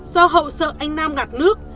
do hậu sợ anh nam ngạt nước